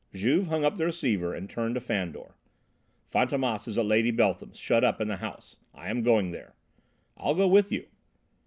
Juve hung up the receiver and turned to Fandor. "Fantômas is at Lady Beltham's; shut up in the house. I am going there." "I'll go with you."